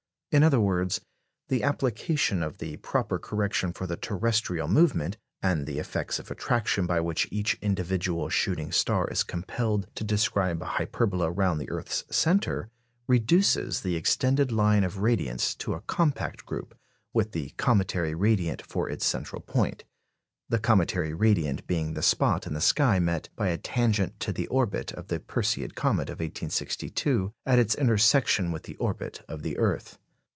In other words, the application of the proper correction for the terrestrial movement, and the effects of attraction by which each individual shooting star is compelled to describe a hyperbola round the earth's centre, reduces the extended line of radiants to a compact group, with the cometary radiant for its central point; the cometary radiant being the spot in the sky met by a tangent to the orbit of the Perseid comet of 1862 at its intersection with the orbit of the earth.